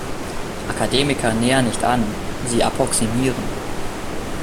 Akademiker nähern nicht an, sie approximieren.